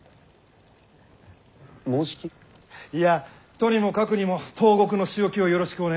とにもかくにも東国の仕置きをよろしくお願いいたします。